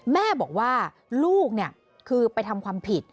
แม่บอกว่าลูกเนี่ยคือไปทำความผิด